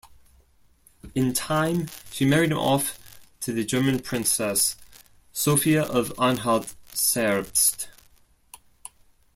In time, she married him off to the German princess, Sophia of Anhalt-Zerbst.